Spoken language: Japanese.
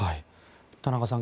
田中さん